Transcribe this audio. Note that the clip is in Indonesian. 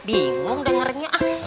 bingung dengarnya ah